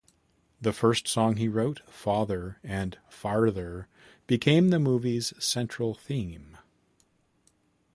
The first song he wrote, "Father and Farther," became the movie's central theme.